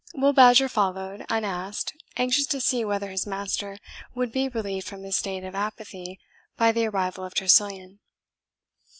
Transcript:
Will Badger followed, unasked, anxious to see whether his master would be relieved from his state of apathy by the arrival of Tressilian.